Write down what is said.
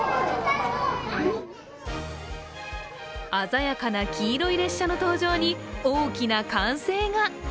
鮮やかな黄色い列車の登場に大きな歓声が。